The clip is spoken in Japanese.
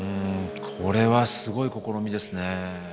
これはすごい試みですね。